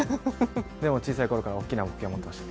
でも小さいころから大きな目標は持っていました。